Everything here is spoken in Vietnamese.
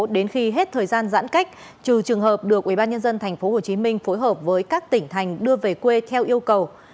đến khi hết thời gian giãn cách trừ trường hợp được ubnd tp hcm phối hợp với các tỉnh thành đưa về quê theo yêu cầu